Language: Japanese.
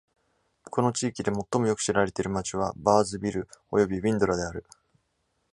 この地域で最もよく知られている町はバーズビルおよびウィンドラである。